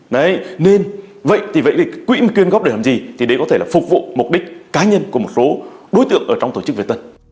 đấy nên vậy thì vậy thì quỹ quyên góp để làm gì thì đấy có thể là phục vụ mục đích cá nhân của một số đối tượng ở trong tổ chức việt tân